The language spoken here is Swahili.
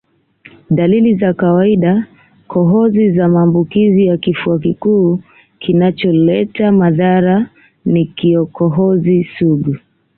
Dalili za kawaidaKohozi za maambukizi ya kifua kikuu kinacholeta madhara ni kikohozi sugu